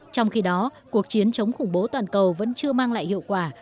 trong khi đó cuộc chiến chống khủng bố toàn cầu vẫn chưa mang lại hiệu quả